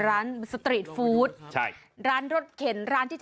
โอ้โห